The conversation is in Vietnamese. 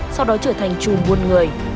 sau đó trở thành trùm buồn người